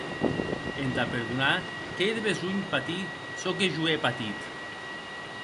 Entà perdonar qu'ei de besonh patir çò que jo è patit.